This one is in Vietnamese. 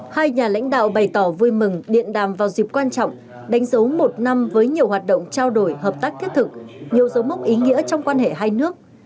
hai nhà lãnh đạo bày tỏ vui mừng điện đàm vào dịp quan trọng đánh dấu một năm với nhiều hoạt động trao đổi hợp tác thiết thực nhiều dấu mốc ý nghĩa trong quan hệ hai nước